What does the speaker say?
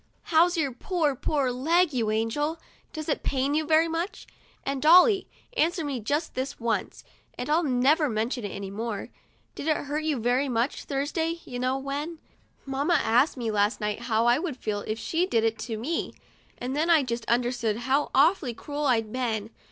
"How's your poor, poor leg, you angel? Does it pain you very much? And Dolly, answer me just this once, and I'll never mention it any more. Did I hurt you very much Thursday — you know when ? Mamma asked me last night how I would feel if she did it to me, and then I just understood how awfully cruel I'd been.